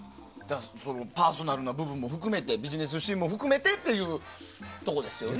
パーソナルな部分も含めてビジネスシーンも含めてっていうことですよね。